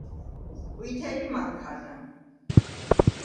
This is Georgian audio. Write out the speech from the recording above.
ყვითელი მანქანა